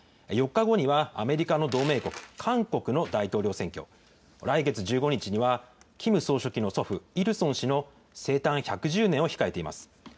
４日後にはアメリカの同盟国、韓国の大統領選挙、来月１５日には、キム総書記の祖父、イルソン氏の生誕１００周年を控えています。